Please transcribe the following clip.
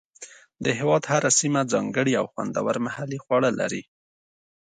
د هېواد هره سیمه ځانګړي او خوندور محلي خواړه لري.